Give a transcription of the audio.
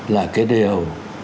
là cái điều